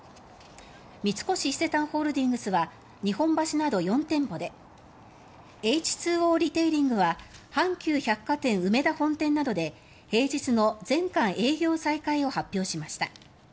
三越伊勢丹ホールディングスは日本橋など４店舗でエイチ・ツー・オーリテイリングは阪急百貨店うめだ本店などで平日の全館営業再開を発表しました。